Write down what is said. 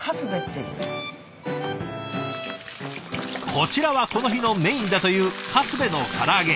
こちらはこの日のメインだというカスベの唐揚げ。